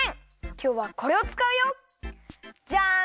きょうはこれをつかうよ。じゃん！